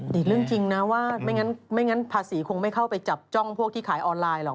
นี่เรื่องจริงนะว่าไม่งั้นภาษีคงไม่เข้าไปจับจ้องพวกที่ขายออนไลน์หรอก